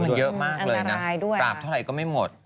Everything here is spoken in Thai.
มันเยอะมากเลยนะปราบเท่าไหร่ก็ไม่หมด